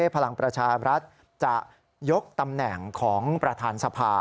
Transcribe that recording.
พลังประชารัฐจะยกตำแหน่งของประธานสภา